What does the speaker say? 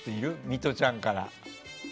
ミトちゃんから。